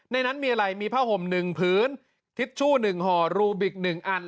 ในนั้นมีอะไรมีผ้าห่มหนึ่งพื้นทิชชู่หนึ่งห่อรูบิกหนึ่งอัน